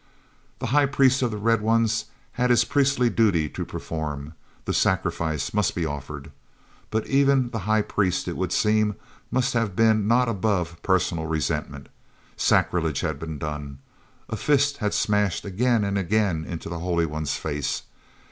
he high priest of the red ones had his priestly duty to perform—the sacrifice must be offered. But even the high priest, it would seem, must have been not above personal resentment. Sacrilege had been done—a fist had smashed again and again into the holy one's face.